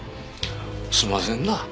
すんませんなあ。